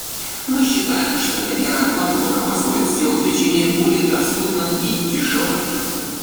Мы считаем, что эта мера во многом позволит сделать лечение более доступным и дешевым.